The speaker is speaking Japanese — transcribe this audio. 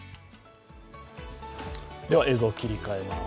では映像を切り替えます。